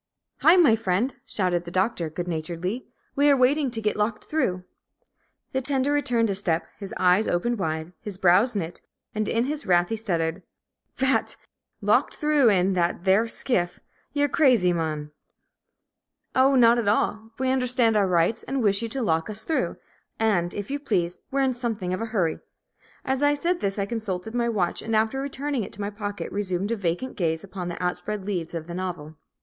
"Hi, my friend!" shouted the Doctor, good naturedly. "We are waiting to get locked through." The tender returned a step, his eyes opened wide, his brows knit, and in his wrath he stuttered, "Ph h a t! Locked through in that theer s s k i ff? Ye're cr razy, mon!" "Oh, not at all. We understand our rights, and wish you to lock us through. And, if you please, we're in something of a hurry." As I said this I consulted my watch, and after returning it to my pocket resumed a vacant gaze upon the outspread leaves of the novel.